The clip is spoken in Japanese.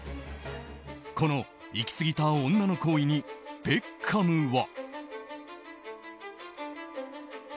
このいき過ぎた女の行為にベッカムは。